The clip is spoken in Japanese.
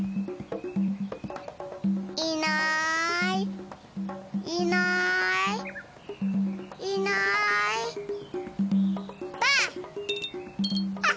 いないいないいないばあっ！